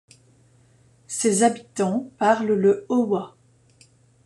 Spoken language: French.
Ses habitants parlent le Owa.